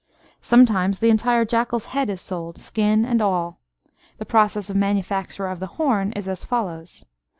Sometimes the entire jackal's head is sold, skin and all. The process of manufacture of the horn is as follows.